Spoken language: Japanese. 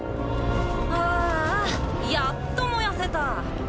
アやっと燃やせた！